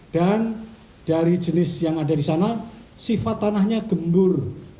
dan dari jenis yang ada di sana sifat tanahnya gembur